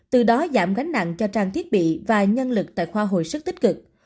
từ đó giảm gánh nặng cho trang thiết bị và nhân lực tại khoa hồi sức tích cực